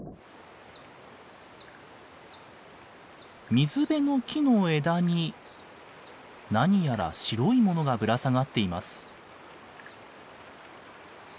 水辺の木の枝に何やら白いものがぶら下がっています。